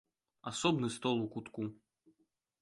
Асобны стол у кутку.